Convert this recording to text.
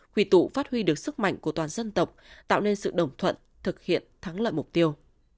hủy tụ phát huy được sức mạnh của toàn dân tộc tạo nên sự đồng thuận thực hiện thắng lợi mục tiêu